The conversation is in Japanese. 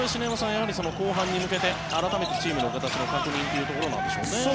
やはり後半に向けて改めてチームの方向の確認というところなんでしょうね。